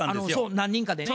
何人かでね。